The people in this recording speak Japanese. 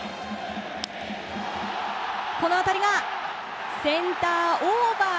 この当たりがセンターオーバー！